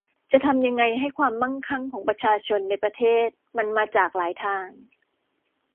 จะทำยังไงให้ความมั่งคั่งของประชาชนในประเทศมันมาจากหลายทาง